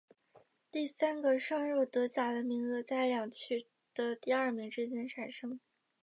第三个升入德甲的名额在两区的第二名之间产生。